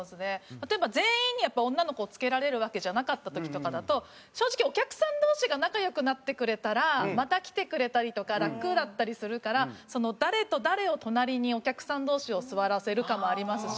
例えば全員にやっぱ女の子をつけられるわけじゃなかった時とかだと正直お客さん同士が仲良くなってくれたらまた来てくれたりとか楽だったりするから誰と誰を隣にお客さん同士を座らせるかもありますし。